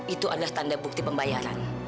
itu adalah tanda bukti pembayaran